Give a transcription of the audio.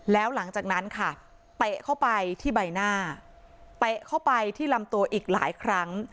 แล้วหลังจากนั้นค่ะเตะเข้าไปที่ใบหน้าเตะเข้าไปที่ลำตัวอีกหลายครั้ง